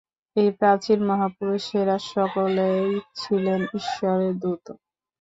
এই প্রাচীন মহাপুরুষেরা সকলেই ছিলেন ঈশ্বরের দূত।